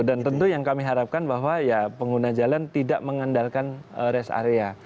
dan tentu yang kami harapkan bahwa ya pengguna jalan tidak mengendalkan res area